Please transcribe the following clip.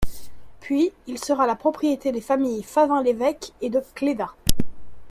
Puis il sera la propriété des familles Favin-Lévêque et de Clédat.